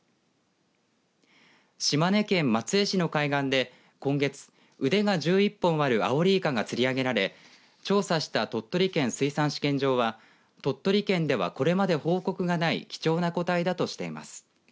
島根県松江市の海岸で今月、腕が１１本あるアオリイカが釣り上げられ調査した鳥取県水産試験場は鳥取県では、これまで報告がない貴重な個体だとしています。